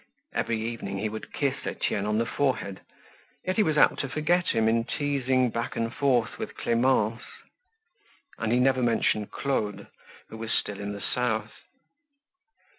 Every evening he would kiss Etienne on the forehead, yet he was apt to forget him in teasing back and forth with Clemence. And he never mentioned Claude who was still in the south.